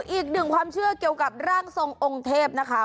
อีกหนึ่งความเชื่อเกี่ยวกับร่างทรงองค์เทพนะคะ